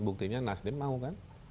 buktinya nasdem mau kan